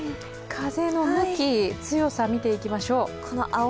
風の向き、強さ、見ていきましょう。